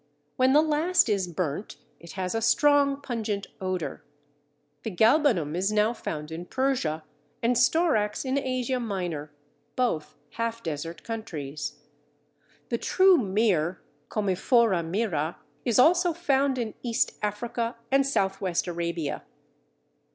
When the last is burnt, it has a strong pungent odour. The Galbanum is now found in Persia, and Storax in Asia Minor, both half desert countries. The true Myrrh (Commiphora myrrha) is also found in East Africa and South west Arabia.